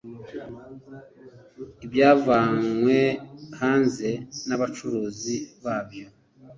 ibyavanywe hanze n’ abacuruzi babyo